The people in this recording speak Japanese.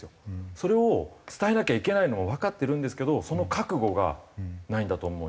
それを伝えなきゃいけないのもわかってるんですけどその覚悟がないんだと思います。